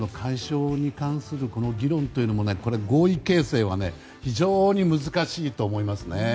オーバーツーリズムの解消に関する議論というのも合意形成は非常に難しいと思います。